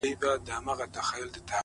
• په وهلو یې په کار لګیا کومه ,